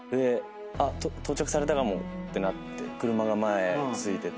到着されたかもってなって車が前着いてて。